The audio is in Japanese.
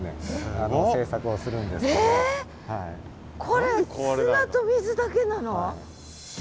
これ砂と水だけなの？